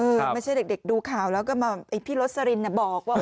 ไม่ใช่เด็กดูข่าวแล้วก็มาไอ้พี่โรสลินบอกว่า